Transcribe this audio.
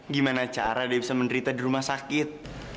gimana cara dia bisa menderita di rumah sakit